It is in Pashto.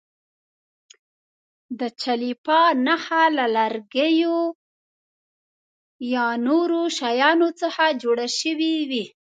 د چلیپا نښه له لرګیو یا نورو شیانو څخه جوړه شوې وي.